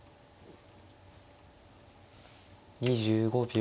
２５秒。